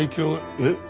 えっ？